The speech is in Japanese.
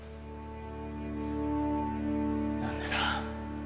何でだ？